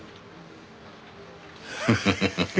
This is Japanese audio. フフフフ。